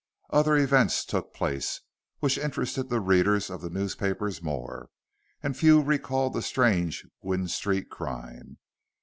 Other events took place, which interested the readers of the newspapers more, and few recalled the strange Gwynne Street crime.